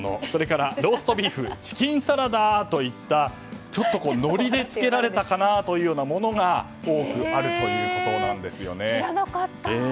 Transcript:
それからローストビーフチキンサラダといったちょっと、ノリでつけられたかなというようなものが多くあるということなんですよね。